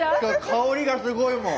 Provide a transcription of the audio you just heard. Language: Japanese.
香りがすごいもん。